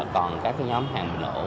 còn các cái nhóm hàng nổ